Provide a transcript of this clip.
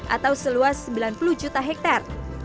atau seluas sembilan puluh juta hektare